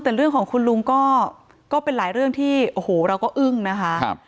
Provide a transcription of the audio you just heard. แต่เรื่องของคุณลุงก็เป็นหลายเรื่องที่โอ้โหเราก็อึ้งนะคะ